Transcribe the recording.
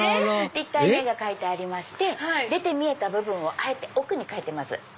立体に絵が描いてありまして出て見えた部分をあえて奥に描いてます。